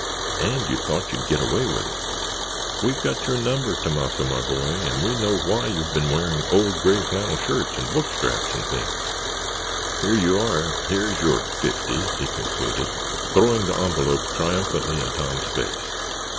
And you thought you'd get away with it! We've got your number, Tomasso, my boy, and we know why you've been wearing old gray flannel shirts and book straps, and things. Here you are—there's your fifty!" he concluded, throwing the envelope triumphantly in Tom's face.